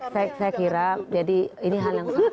saya kira jadi ini hal yang sangat